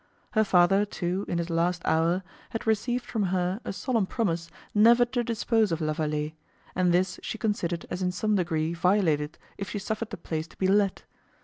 Her father, too, in his last hour, had received from her a solemn promise never to dispose of La Vallée; and this she considered as in some degree violated if she suffered the place to be let.